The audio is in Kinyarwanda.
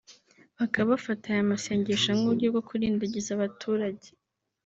bakaba bafata aya masengesho nk’uburyo bwo kurindagiza abaturage